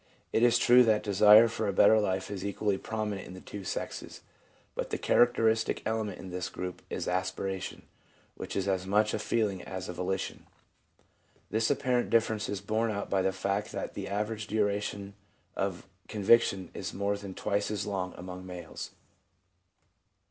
It is true that desire for a better life is equally prominent in the two sexes ; but the characteristic element in this group is aspiration, which is as much a feeling as a volition. This apparent difference is borne out by the fact that the average duration of conviction is more than twice as long among males.